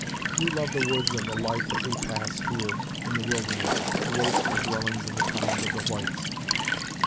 You love the woods and the life that we pass, here, in the wilderness, away from the dwellings and towns of the whites."